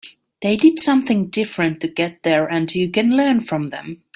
They did something different to get there and you can learn from them.